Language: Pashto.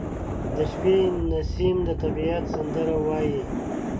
• د شپې نسیم د طبیعت سندرې وايي.